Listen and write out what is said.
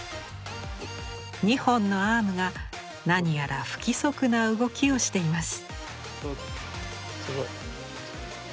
２本のアームが何やら不規則な動きをしています。